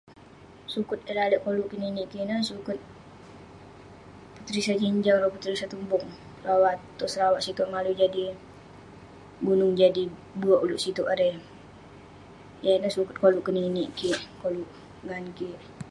Suket eh lalek koluk keninik kik ineh, suket Puteri Sejinjang rawah Puteri Satunbong rawah tong Sarawak siteuk malui jadi gunung jadi bek uleuk siteuk erei. Yah ineh suket koluk keninik kik koluk ngan kik.